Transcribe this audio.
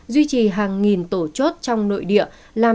duy trì hàng nghìn tổ chốt trong nội địa